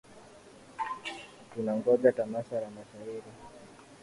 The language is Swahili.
Tunangoja tamasha la mashahiri